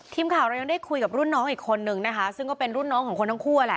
ทีมข่าวเรายังได้คุยกับรุ่นน้องอีกคนนึงนะคะซึ่งก็เป็นรุ่นน้องของคนทั้งคู่แหละ